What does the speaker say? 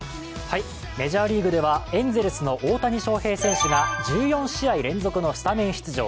メジャーリーグではエンゼルスの大谷翔平選手が１４試合連続のスタメン出場。